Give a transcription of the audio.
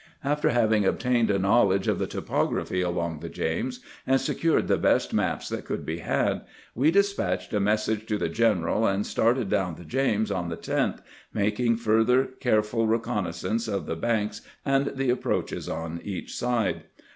After having obtained a knowledge of the topog raphy along the James, and secured the best maps that could be had, we despatched a message to the general and started down the James on the 10th, making further careful reconnaissances of the banks and the approaches on each side.